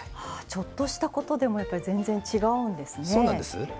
ちょっとしたことでも全然、違うんですね。